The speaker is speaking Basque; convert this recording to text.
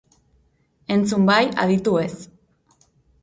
Entzun bai, aditu ez.